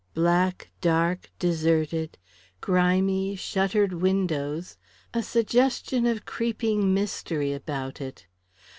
Black, dark, deserted, grimy shuttered windows a suggestion of creeping mystery about it.